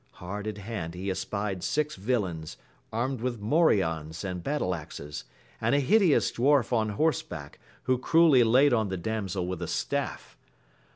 Hard at hand he espied six villains, armed with morions and battle axes, and a hideous dwarf on horseback, who cruelly laid on the damsel with a staff.